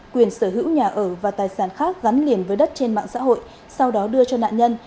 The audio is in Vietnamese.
quyền sở hữu nhà ở và tài sản khác gắn liền với đất trên mạng xã hội sau đó đưa cho nạn nhân